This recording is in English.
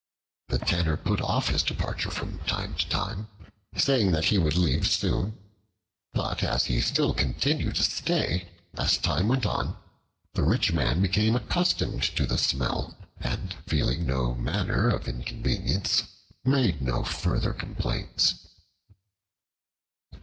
The Tanner put off his departure from time to time, saying that he would leave soon. But as he still continued to stay, as time went on, the rich man became accustomed to the smell, and feeling no manner of inconvenience, made no further complaints.